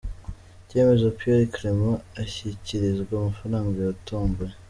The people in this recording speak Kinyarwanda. Cyemezo Pierre Clement ashyikirizwa amafaranga yatomboye.